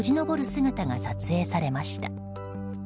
姿が撮影されました。